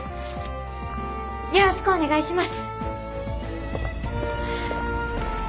よろしくお願いします！